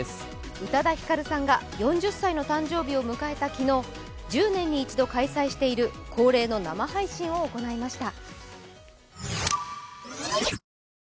宇多田ヒカルさんが４０歳の誕生日を迎えた昨日、１０年に一度、開催している恒例の生配信を行いました。